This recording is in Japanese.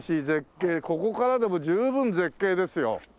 ここからでも十分絶景ですよ。